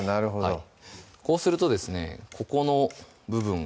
はい